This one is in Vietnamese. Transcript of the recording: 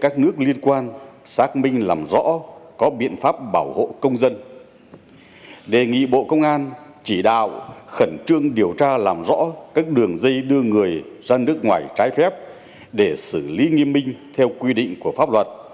các nạn nhân đã làm rõ các đường dây đưa người ra nước ngoài trái phép để xử lý nghiêm minh theo quy định của pháp luật